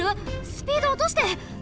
スピードおとして！